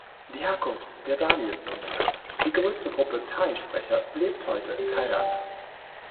Die Herkunft der Dali ist unbekannt, die größte Gruppe Tai-Sprecher lebt heute in Thailand.